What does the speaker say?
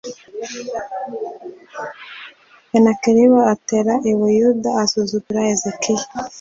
senakeribu atera i buyuda asuzuguza hezekiya